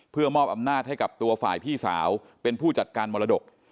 เพื่อมอบอำนาจให้กับตัวฝ่ายพี่สาวเป็นผู้จัดการมรดก